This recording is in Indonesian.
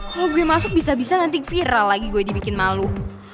kalau gue masuk bisa bisa nanti viral lagi gue dibikin malu